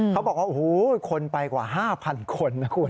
เขาบอกว่าโอ้โหคนไปกว่า๕๐๐คนนะคุณ